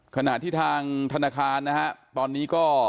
ขณะที่ทางธนาคารนะฮะตอนนี้ก็